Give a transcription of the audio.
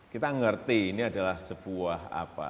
kita ngerti ini adalah sebuah apa